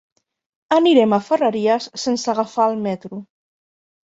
Anirem a Ferreries sense agafar el metro.